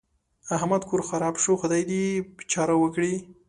احمد کور خراپ شو؛ خدای دې يې چاره وکړي.